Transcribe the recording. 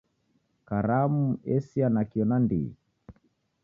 Karamu esia nakio nandighi.